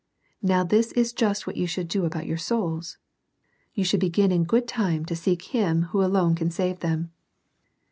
Now this is just what you should do about your souls; you should begin in good time to seek Him who alone can save them.